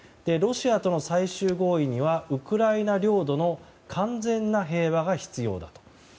ロシアとの最終合意にはウクライナ領土の完全な平和が必要だと。